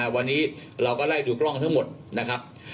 วันนี้เราก็ไล่ดูกล้องทั้งหมดนะครับ